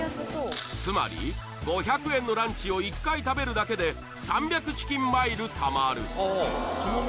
つまり５００円のランチを１回食べるだけで３００チキンマイルたまる